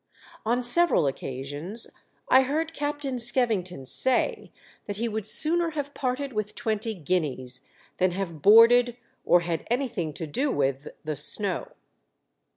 On several occasions I heard Captain Skevington say that he would sooner have parted with twenty guineas than have boarded, or had anythincr to do with, the WE ARRIVE AT TABLE BAY. 29 snow.